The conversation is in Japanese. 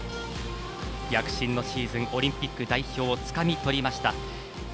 躍進のシーズンオリンピック代表をつかみとりました。